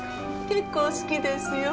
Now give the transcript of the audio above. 結構好きですよ。